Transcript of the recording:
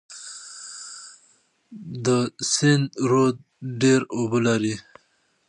د سند رود ډیر اوبه لري.